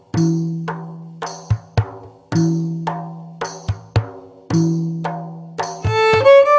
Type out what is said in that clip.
yuk kita turun dulu